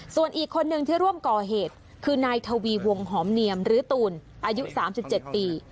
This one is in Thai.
ส่วนอีกคนนึงที่ร่วมก่อเหตุคือนายทวีวงหอมเนียมหรือตูนอายุ๓๗ปี